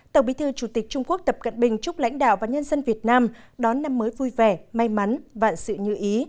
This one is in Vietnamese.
tổng bí thư chủ tịch trung quốc tập cận bình chúc lãnh đạo và nhân dân việt nam đón năm mới vui vẻ may mắn vạn sự như ý